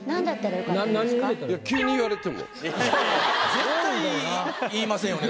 絶対言いませんよね